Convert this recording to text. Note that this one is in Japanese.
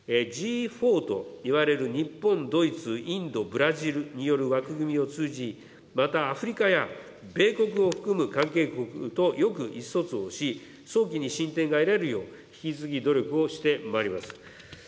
Ｇ４といわれる日本、ドイツ、インド、ブラジルによる枠組みを通じ、またアフリカや米国を含む関係国とよく意思疎通をし、早期に進展が得られるよう、引き続き努力をしてまいります。